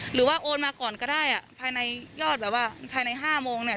หรือว่าโอนมาก่อนก็ได้ภายในยอดแบบว่าภายใน๕โมงเนี่ย